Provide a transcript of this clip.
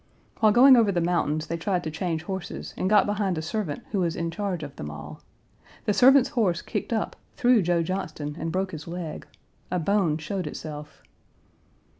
While going over the mountains they tried to change horses and got behind a servant who was in charge of them all. The servant's horse kicked up, threw Joe Johnston, and broke his leg; a bone showed itself.